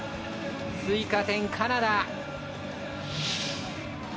追加点、カナダ。